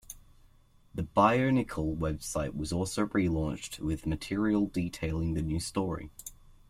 The Bionicle website was also relaunched with material detailing the new story.